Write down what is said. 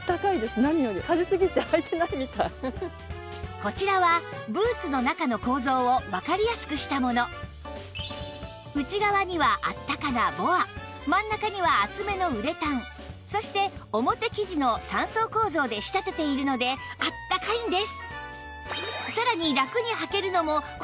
こちらは内側にはあったかなボア真ん中には厚めのウレタンそして表生地の３層構造で仕立てているのであったかいんです